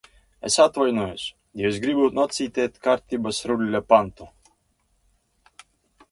Es atvainojos, jo es gribu nocitēt Kārtības ruļļa pantu.